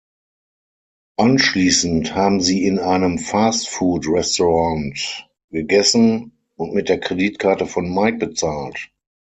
Anschließend haben sie in einem Fast-Food-Restaurant gegessen und mit der Kreditkarte von Mike bezahlt.